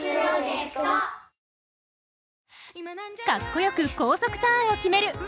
かっこよく高速ターンを決める